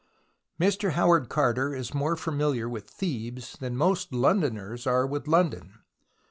Mr. Howard Carter is more familiar with Thebes than most Londoners are with London.